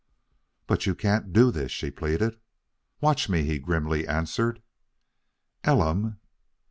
"But you can't do this," she pleaded. "Watch me," he grimly answered. "Elam!"